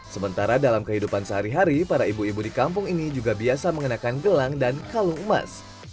sementara dalam kehidupan sehari hari para ibu ibu di kampung ini juga biasa mengenakan gelang dan kalung emas